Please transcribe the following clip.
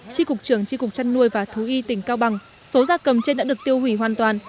tri cục trưởng tri cục trăn nuôi và thú y tỉnh cao bằng số gia cầm trên đã được tiêu hủy hoàn toàn